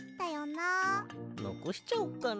のこしちゃおうかな。